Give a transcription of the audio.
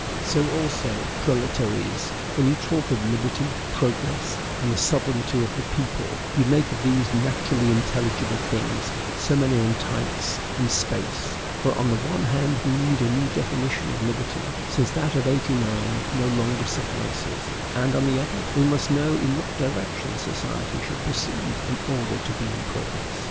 So also, proletaires, when you talk of LIBERTY, PROGRESS, and THE SOVEREIGNTY OF THE PEOPLE, you make of these naturally intelligible things so many entites in space: for, on the one hand, we need a new definition of liberty, since that of '89 no longer suffices; and, on the other, we must know in what direction society should proceed in order to be in progress.